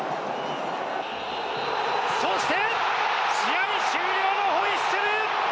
そして試合終了のホイッスル！